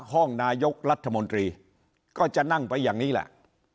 ห้องนายกรัฐมนตรีก็จะนั่งไปอย่างนี้แหละ